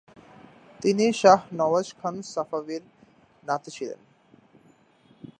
তিনি শাহ নওয়াজ খান সাফাভির নাতি ছিলেন।